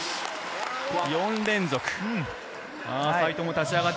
４連続。